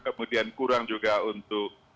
kemudian kurang juga untuk